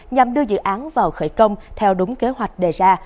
nhằm đưa dự án vào khởi công theo đúng kế hoạch đề ra